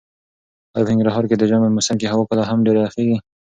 ایا په ننګرهار کې د ژمي په موسم کې هوا کله هم ډېره یخیږي؟